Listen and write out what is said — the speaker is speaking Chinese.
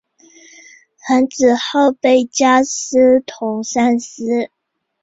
樊子鹄被加仪同三司。